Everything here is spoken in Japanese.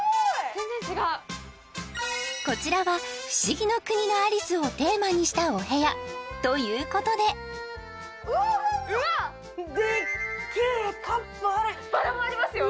全然違うこちらは「不思議の国のアリス」をテーマにしたお部屋ということでうわっでっけえカップバラもありますよ